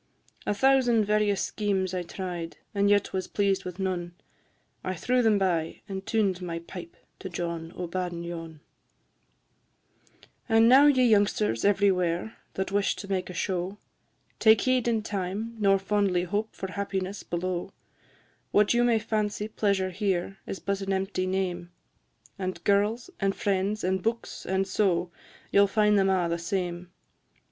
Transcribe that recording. A thousand various schemes I tried, And yet was pleased with none; I threw them by, and tuned my pipe To John o' Badenyon. VI. And now, ye youngsters everywhere, That wish to make a show, Take heed in time, nor fondly hope For happiness below; What you may fancy pleasure here, Is but an empty name, And girls, and friends, and books, and so, You 'll find them all the same.